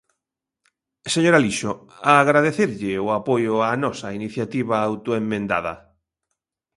Señor Alixo, agradecerlle o apoio á nosa iniciativa autoemendada.